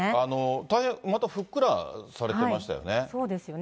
大変またふっくらされてましたよね。